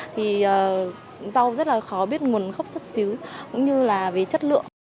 thì rau rất là khó biết nguồn khốc sất xứ cũng như là về chất lượng